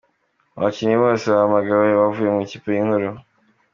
abakinnyi bose bahamagawe bavuye mu ikipe nkuru.